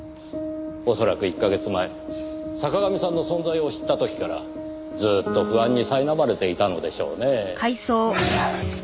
おそらく１カ月前坂上さんの存在を知った時からずっと不安に苛まれていたのでしょうね。